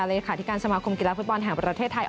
เลขาธิการสมาคมกีฬาฟุตบอลแห่งประเทศไทย